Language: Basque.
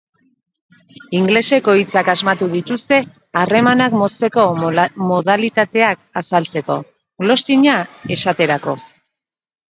Ingelesezko hitzak asmatu dituzte harremanak mozteko modalitateak azaltzeko, ghosting-a esaterako.